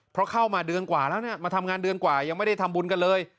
เพราะเข้ามาเดือนกว่าแล้วเนี่ยมาทำงานเดือนกว่ายังไม่ได้ทำบุญกันเลย